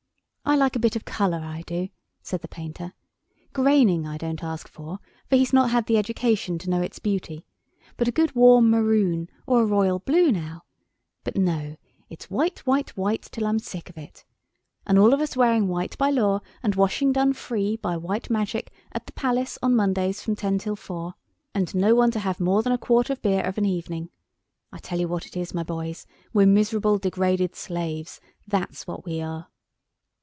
"I like a bit of colour, I do," said the painter. "Graining I don't ask for, for he's not had the education to know its beauty; but a good warm maroon, or a royal blue, now! But, no; it's white, white, white, till I'm sick of it. And us all wearing white by law, and washing done free, by white magic, at the Palace, on Mondays from 10 to 4. And no one to have more than a quart of beer of an evening! I tell you what it is, my boys, we're miserable, degraded slaves; that's what we are!"